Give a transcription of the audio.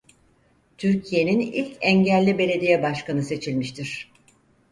Türkiye'nin ilk engelli belediye başkanı seçilmiştir.